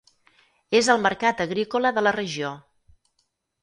És el mercat agrícola de la regió.